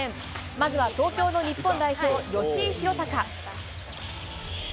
まずは東京の日本代表、吉井裕鷹。